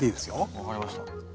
分かりました。